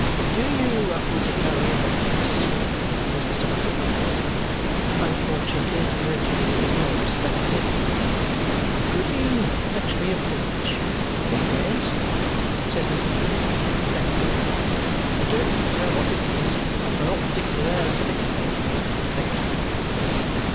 "Do you happen to carry a box?" says Mr. Bucket. Unfortunately Mercury is no snuff taker. "Could you fetch me a pinch from anywheres?" says Mr. Bucket. "Thankee. It don't matter what it is; I'm not particular as to the kind. Thankee!"